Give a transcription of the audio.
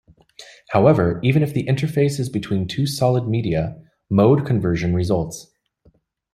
However, even if the interface is between two solid media, mode conversion results.